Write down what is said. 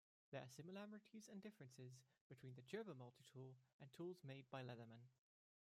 There are similarities and differences between the Gerber multitool and tools made by Leatherman.